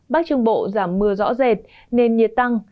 bắc trung bộ giảm mưa rõ rệt nền nhiệt tăng